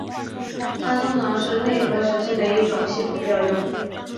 它通常是内核实现的一种系统调用。